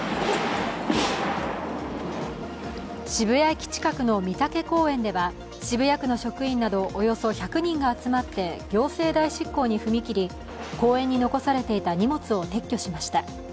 渋谷駅近くの美竹公園では渋谷区の職員などおよそ１００人が集まって行政代執行に踏み切り、公園に残されていた荷物を撤去しました。